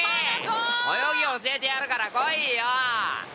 泳ぎ教えてやるから来いよ。